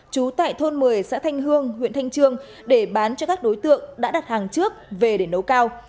trú tại thôn một mươi xã thanh hương huyện thanh trương để bán cho các đối tượng đã đặt hàng trước về để nấu cao